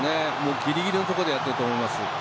ぎりぎりのところでやっていると思います。